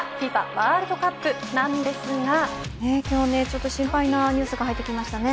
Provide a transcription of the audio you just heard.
ワールドカップなんですが今日はちょっと心配なニュースが入ってきましたね。